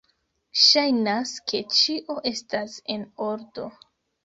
Ŝajnas ke ĉio estas en ordo.